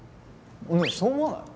ねえそう思わない？